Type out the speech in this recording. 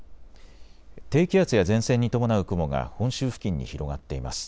低気圧や前線に伴う雲が本州付近に広がっています。